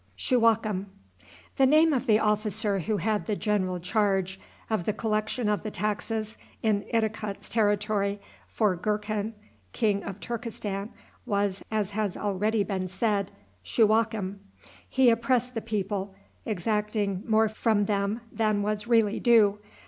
The name of the officer who had the general charge of the collection of the taxes in Idikut's territory for Gurkhan, King of Turkestan, was, as has already been said, Shuwakem. He oppressed the people, exacting more from them than was really due.